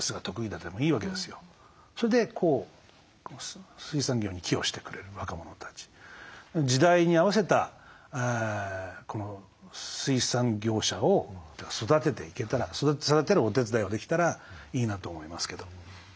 それで水産業に寄与してくれる若者たち時代に合わせた水産業者を育てていけたら育てるお手伝いをできたらいいなと思いますけど。